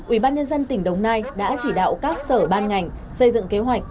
ủy ban nhân dân tỉnh đồng nai đã chỉ đạo các sở ban ngành xây dựng kế hoạch